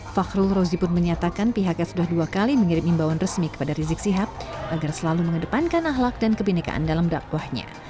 fahrul rozi pun menyatakan pihaknya sudah dua kali mengirim imbauan resmi kepada rizik sihab agar selalu mengedepankan ahlak dan kebenekaan dalam dakwahnya